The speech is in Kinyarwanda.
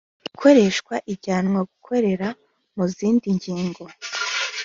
ikoreshwa ijyanwa gukorera mu zindi ngingo